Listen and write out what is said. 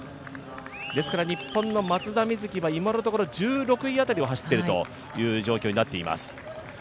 ですから日本の松田瑞生は今のところ１６位辺りを走っている状況になっています。